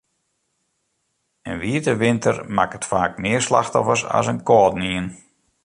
In wiete winter makket faak mear slachtoffers as in kâldenien.